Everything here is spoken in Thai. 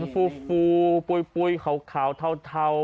ขนฟูปุ่ยเขาเทา